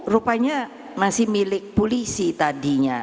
rupanya masih milik polisi tadinya